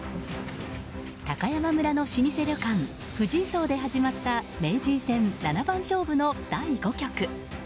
高山村の老舗旅館藤井荘で始まった名人戦七番勝負の第５局。